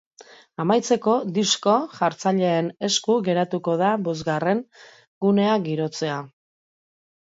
Amaitzeko, disko-jartzaileen esku geratuko da bosgarren gunea girotzea.